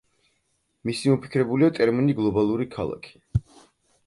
მისი მოფიქრებულია ტერმინი „გლობალური ქალაქი“.